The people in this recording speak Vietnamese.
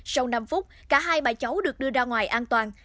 sau năm phút cả hai bà cháu được đưa ra ngoài an toàn